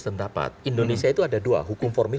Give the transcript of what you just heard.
sendapat indonesia itu ada dua hukum formil